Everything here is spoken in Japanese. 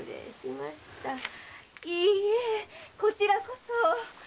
いいえこちらこそ。